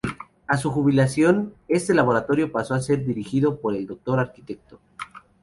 A su jubilación, este laboratorio pasó a ser dirigido por el Dr. Arq.